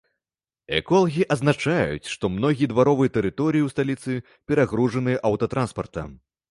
Эколагі адзначаюць, што многія дваровыя тэрыторыі ў сталіцы перагружаныя аўтатранспартам.